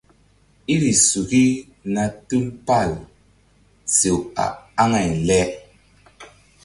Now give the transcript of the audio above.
Iri suki na tupal sew a aŋay le.